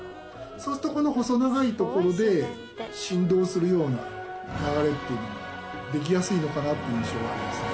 そうするとこの細長い所で振動するような流れっていうのができやすいのかなっていう印象はありますね。